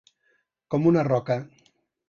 Com una roca.